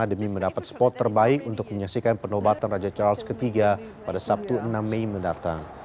demi mendapat spot terbaik untuk menyaksikan penobatan raja charles iii pada sabtu enam mei mendatang